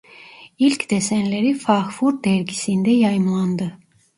İlk desenleri Fağfur dergisinde yayımlandı.